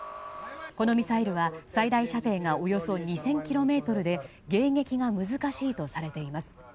このミサイルは最大射程がおよそ２０００ｋｍで迎撃が難しいとされています。